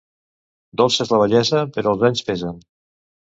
Dolça és la vellesa, però els anys pesen.